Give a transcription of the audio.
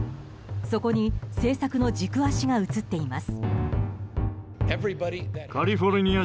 そこに政策の軸足が移っています。